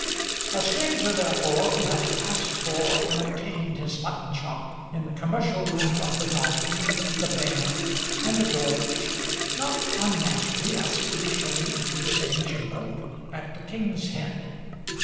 A stranger, therefore, who has asked for and obtained his mutton chop in the commercial room of The Dolphin, The Bear, and The George, not unnaturally asks to be shown into the same chamber at the King's Head.